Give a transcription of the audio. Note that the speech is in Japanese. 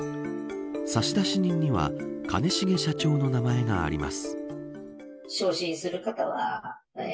差出人には兼重社長の名前があります。